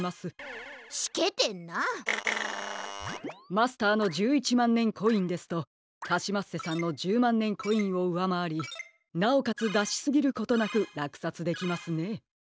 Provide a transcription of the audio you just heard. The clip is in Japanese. マスターの１１まんねんコインですとカシマッセさんの１０まんねんコインをうわまわりなおかつだしすぎることなくらくさつできますね。